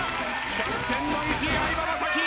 キャプテンの意地相葉雅紀。